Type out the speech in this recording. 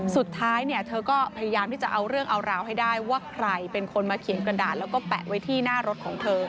สุดท้ายเนี่ยเธอก็พยายามที่จะเอาเรื่องเอาราวให้ได้ว่าใครเป็นคนมาเขียนกระดาษแล้วก็แปะไว้ที่หน้ารถของเธอ